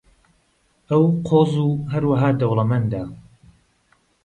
ئەو قۆز و هەروەها دەوڵەمەندە.